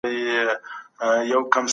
ولي ټولنیز حقونه د هوسایني لامل کیږي؟